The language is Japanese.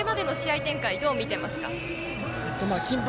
これまでの試合展開どう見ていますか？